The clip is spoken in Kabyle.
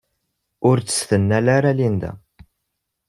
Ur tt-tettnal ara Linda.